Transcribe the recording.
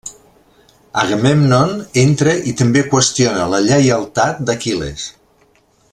Agamèmnon entra i també qüestiona la lleialtat d’Aquil·les.